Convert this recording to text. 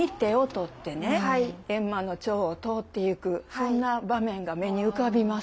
閻魔の庁を通っていくそんな場面が目に浮かびます。